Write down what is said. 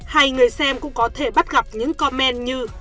hay người xem cũng có thể bắt gặp những comen như